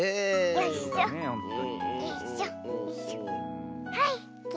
よいしょと。